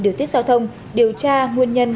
điều tiết giao thông điều tra nguyên nhân